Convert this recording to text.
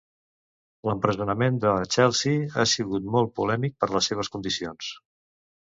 L'empresonament de Chelsea ha sigut molt polèmic per les seves condicions.